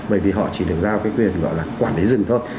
bởi vì họ chỉ được giao cái quyền gọi là quản lý rừng thôi